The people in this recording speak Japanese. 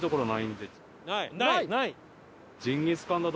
ない！？